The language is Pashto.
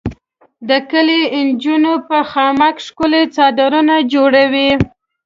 د کلي انجونې په خامک ښکلي څادرونه جوړوي.